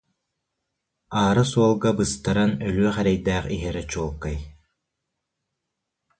Аара суолга быстаран өлүөх эрэйдээх иһэрэ чуолкай